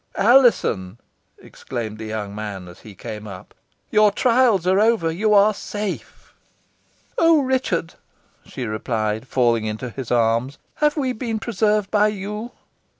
"Alizon!" exclaimed the young man, as he came up, "your trials are over. You are safe." "Oh, Richard!" she replied, falling into his arms, "have we been preserved by you?"